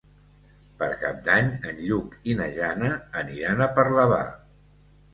Per Cap d'Any en Lluc i na Jana aniran a Parlavà.